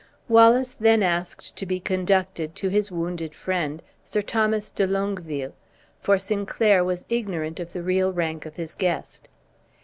Wallace then asked to be conducted to his wounded friend, Sir Thomas de Longueville, for Sinclair was ignorant of the real rank of his guest.